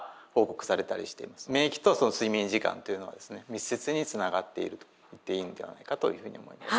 密接につながっていると言っていいのではないかというふうに思います。